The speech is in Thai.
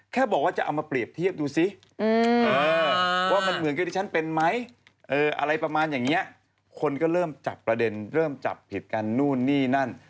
แค่บอกว่าจะเอามาเปรียบเทียบดูสิว่ามันเหมือนกับที่ฉันเป็นไหมอะไรประมาณอย่างนี้คนก็เริ่มจับประเด็นเริ่มจับผิดกันนู่นนี่นั่น